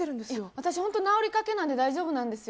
私は治りかけなので大丈夫なんですよ。